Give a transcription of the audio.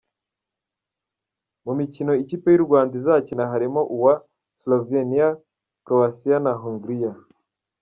Mu mikino ikipe y’u Rwanda izakina harimo uwa Slovenia, Croatia na Hongiria.